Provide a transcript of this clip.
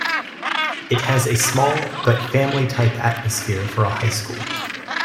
It has a small, but family type atmosphere for a high school.